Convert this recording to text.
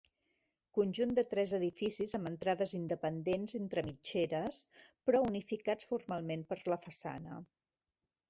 Conjunt de tres edificis amb entrades independents entre mitgeres però unificats formalment per la façana.